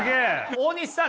大西さん